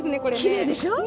きれいでしょ？